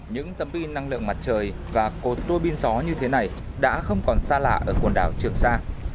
những tấm pin năng lượng mặt trời và cột đuôi pin gió như thế này đã không còn xa lạ ở quần đảo trường sa